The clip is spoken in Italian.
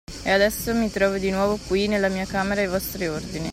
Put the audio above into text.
E adesso mi trovo di nuovo qui, nella mia camera, ai vostri ordini.